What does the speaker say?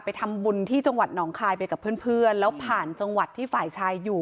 ไปทำบุญที่จังหวัดหนองคายไปกับเพื่อนแล้วผ่านจังหวัดที่ฝ่ายชายอยู่